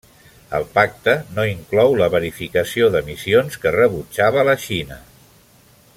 El pacte no inclou la verificació d'emissions que rebutjava la Xina.